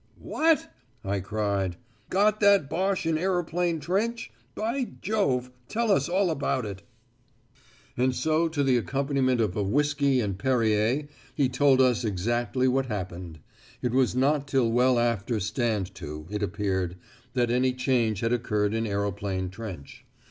"What?" I cried. "Got that Boche in Aeroplane Trench? By Jove, tell us all about it." And so to the accompaniment of a whiskey and Perrier he told us exactly what happened. It was not till well after "stand to," it appeared, that any change had occurred in Aeroplane Trench.